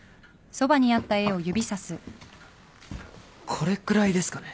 これくらいですかね。